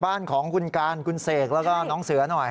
บ้านของคุณการคุณเสกแล้วก็น้องเสือหน่อย